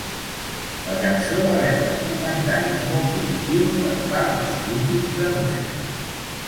La cançó va rebre comentaris molt positius per part dels crítics de música.